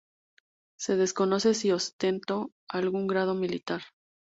Se desconoce si ostentó algún grado militar.